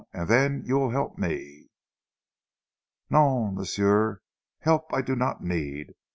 And then you will help me." "Non! m'sieu. Help I do not need.